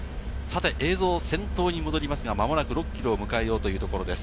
映像は先頭に戻りますが、間もなく６ｋｍを迎えようというところです。